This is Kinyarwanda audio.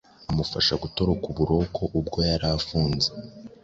amufasha gutoroka uburoko ubwo yari afunze